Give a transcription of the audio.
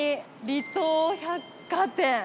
離島百貨店。